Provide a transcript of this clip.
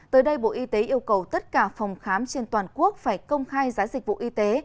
tới đây bộ y tế yêu cầu tất cả phòng khám trên toàn quốc phải công khai giá dịch vụ y tế